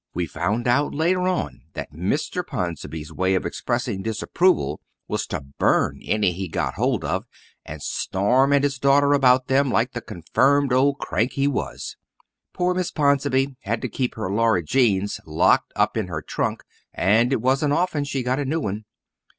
We found out later on that Mr. Ponsonby's way of expressing disapproval was to burn any he got hold of, and storm at his daughter about them like the confirmed old crank he was. Poor Miss Ponsonby had to keep her Laura Jeans locked up in her trunk, and it wasn't often she got a new one.